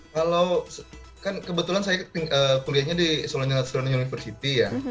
kalau kan kebetulan saya kuliahnya di solonial adzoning university ya